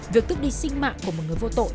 việc tức đi sinh mạng của một người vô tội